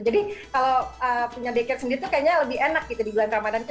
jadi kalau punya daycare sendiri tuh kayaknya lebih enak gitu di bulan ramadhan